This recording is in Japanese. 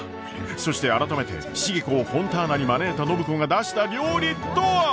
そして改めて重子をフォンターナに招いた暢子が出した料理とは！？